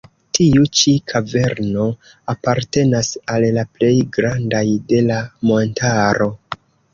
Tiu ĉi kaverno apartenas al la plej grandaj de la montaro.